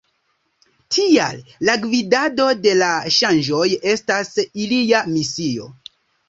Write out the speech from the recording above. Tial la gvidado de la ŝanĝoj estas ilia misio.